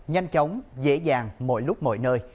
nhanh chóng dễ dàng mọi lúc mọi nơi